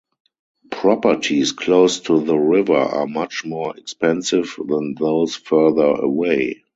Properties close to the river are much more expensive than those further away.